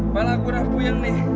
pala gua rapuh yang ini